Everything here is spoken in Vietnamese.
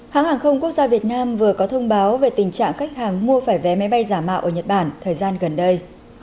hãng hàng không quốc gia việt nam vừa có thông báo về tình trạng khách hàng mua phải vé máy bay giả mạo ở nhật bản thời gian gần đây